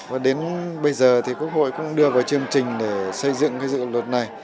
và đến bây giờ thì quốc hội cũng đưa vào chương trình để xây dựng cái dự luật này